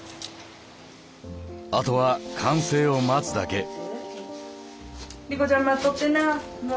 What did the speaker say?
あとは完成を待つだけ。